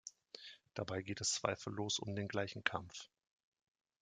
Dabei geht es zweifellos um den gleichen Kampf.